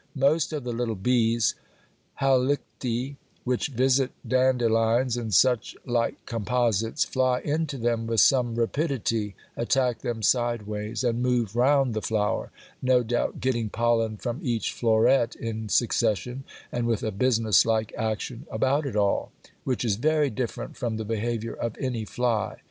Most of the little bees (Halicti) which visit dandelions and such like "composites" fly in to them with some rapidity, attack them sideways, and move round the "flower", no doubt getting pollen from each floret in succession and with a businesslike action about it all, which is very different from the behaviour of any fly.